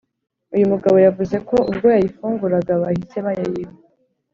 uyu mugabo yavuze ko ubwo yayifunguraga bahise bayiba